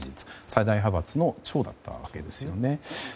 最大派閥の長だったわけですよね。